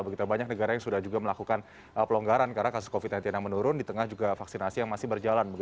begitu banyak negara yang sudah juga melakukan pelonggaran karena kasus covid sembilan belas yang menurun di tengah juga vaksinasi yang masih berjalan